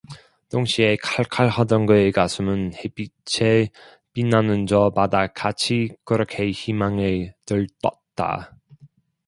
동시에 칼칼하던 그의 가슴은 햇빛에 빛나는 저 바다같이 그렇게 희망에 들떴다.